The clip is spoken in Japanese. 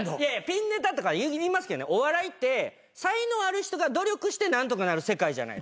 ピンネタとかいいますけどねお笑いって才能ある人が努力して何とかなる世界じゃないですか。